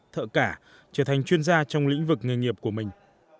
thợ cả trở thành chuyên gia trong lĩnh vực nghề nghiệp của mình